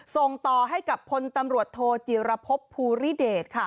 ส่งต่อให้กับพลตำรวจโทจิรพบภูริเดชค่ะ